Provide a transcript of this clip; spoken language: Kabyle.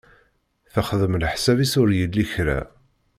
Texdem leḥsab-is ur yelli kra.